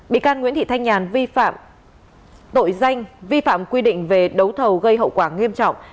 bị can nguyễn thị thanh nhàn vi phạm tội danh vi phạm quy định về đấu thầu gây hậu quả nghiêm trọng